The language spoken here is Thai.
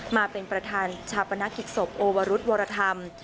มาเป็นประธานชาปนกิจศพโอวรุธวรธรรม